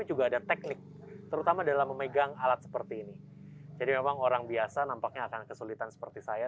jadi memang orang biasa nampaknya akan kesulitan seperti saya